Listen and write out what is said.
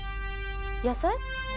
野菜？